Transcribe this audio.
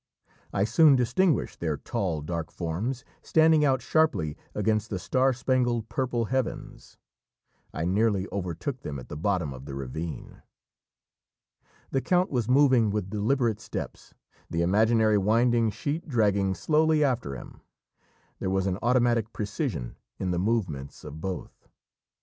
I soon distinguished their tall dark forms standing out sharply against the star spangled purple heavens. I nearly overtook them at the bottom of the ravine. The count was moving with deliberate steps, the imaginary winding sheet dragging slowly after him. There was an automatic precision in the movements of both.